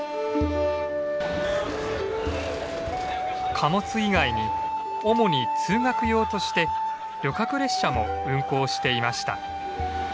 貨物以外に主に通学用として旅客列車も運行していました。